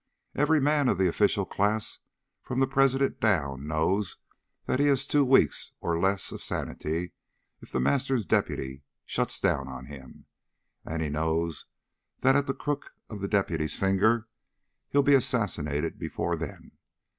Every man of the official class from the President down knows that he has two weeks or less of sanity if The Master's deputy shuts down on him and he knows that at the crook of the deputy's finger he'll be assassinated before then.